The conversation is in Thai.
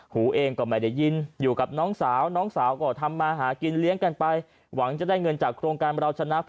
หูเองก็ไม่ได้ยินอยู่กับน้องสาวน้องสาวก็ทำมาหากินเลี้ยงกันไปหวังจะได้เงินจากโครงการเราชนะ